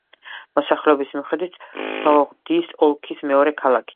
მოსახლეობის მიხედვით სოღდის ოლქის მეორე ქალაქია.